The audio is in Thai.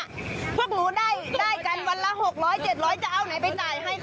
อย่างนี้มีคนขึ้นถือว่าไม่รับใช่ไหม